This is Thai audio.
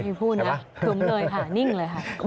พูดนะถึงเลยค่ะนิ่งเลยค่ะ